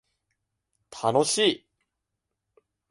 楽しい